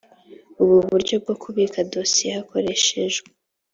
ubu buryo bwo kubika dosiye hakoreshejwe